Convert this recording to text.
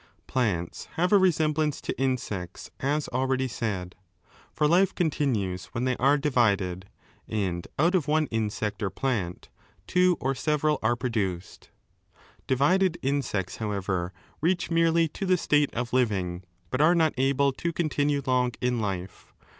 Plants have a resemblance to insects, as already said. For life continues when they are divided, and out 2e7 268 Aristotle's psychology dbl.stb.yit. of one insect or plant two or several are produced. Divided insects, however, reach merely to the state of living, but are not able to continue long in life.